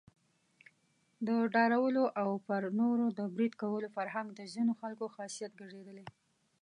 د ډارولو او پر نورو د بريد کولو فرهنګ د ځینو خلکو خاصيت ګرځېدلی.